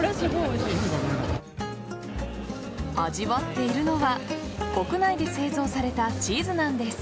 味わっているのは国内で製造されたチーズなんです。